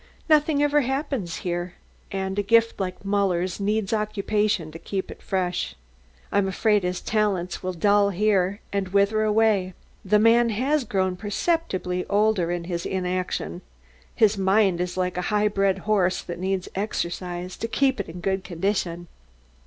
Nothing ever happens here, and a gift like Muller's needs occupation to keep it fresh. I'm afraid his talents will dull and wither here. The man has grown perceptibly older in this inaction. His mind is like a high bred horse that needs exercise to keep it in good condition."